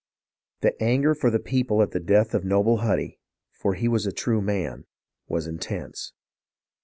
The anger of the people at the death of the noble Huddy — for he was a true man — was intense.